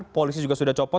polisi juga sudah copot